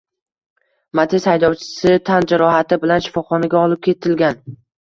Matiz haydovchisi tan jarohati bilan shifoxonaga olib ketilgan